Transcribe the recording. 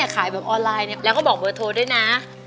ขายแบบออนไลน์แล้วก็บอกเบอร์โทรด้วยนะ